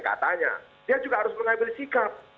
katanya dia juga harus mengambil sikap